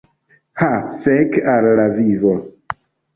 Ha fek al la vivo!